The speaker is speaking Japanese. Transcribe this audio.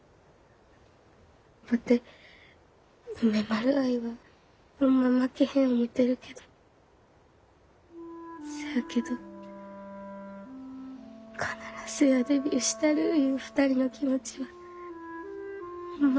ワテ梅丸愛はホンマ負けへん思てるけどせやけど必ずやデビューしたるいう２人の気持ちはホンマ